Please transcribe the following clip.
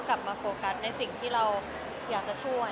กลับมาโฟกัสในสิ่งที่เราอยากจะช่วย